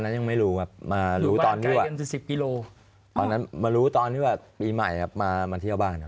ว่าน้องเขยถูกจับตอนนั้นยังไม่รู้มารู้ตอนที่ว่าปีใหม่มาเที่ยวบ้าน